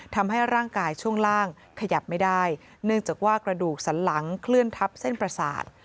ทำให้ร่างกายช่วงล่างขยับไม่ได้เนื่องจากว่ากระดูกสันหลังเคลื่อนทับเส้นประสาท